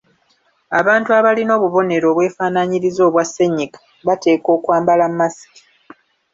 Abantu abalina obubonero obwefaanaanyirizaako obwa ssennyiga bateekwa okwambala masiki.